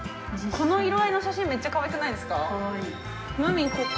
◆この色合いの写真、めっちゃかわいくないですか。